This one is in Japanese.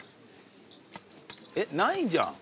えっないじゃん。